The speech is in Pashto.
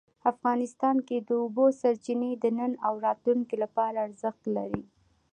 افغانستان کې د اوبو سرچینې د نن او راتلونکي لپاره ارزښت لري.